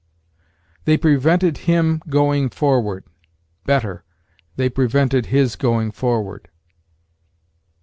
'They prevented him going forward': better, 'They prevented his going forward.'